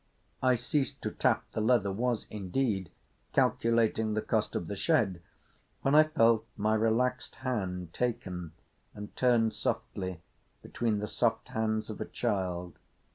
I ceased to tap the leather—was, indeed, calculating the cost of the shed—when I felt my relaxed hand taken and turned softly between the soft hands of a child.